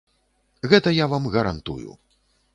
Гэта я вам гарантую.